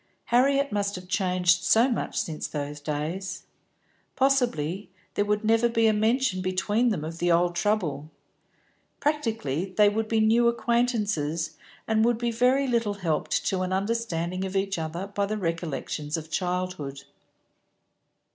Harriet must have changed so much since those days. Possibly there would never be a mention between them of the old trouble; practically they would be new acquaintances, and would be very little helped to an understanding of each other by the recollections of childhood.